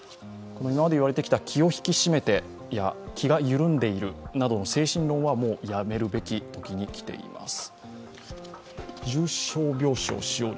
今まで言われてきた気を引き締めてや気が緩んでいるなどの精神論はもうやめるべき時にきています。